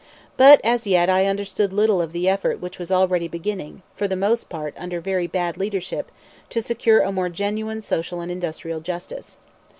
But as yet I understood little of the effort which was already beginning, for the most part under very bad leadership, to secure a more genuine social and industrial justice.